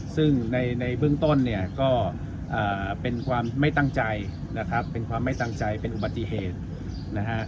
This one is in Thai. ซึ่งในเบื้องต้นเนี่ยก็เป็นความไม่ตั้งใจนะครับเป็นความไม่ตั้งใจเป็นอุบัติเหตุนะฮะ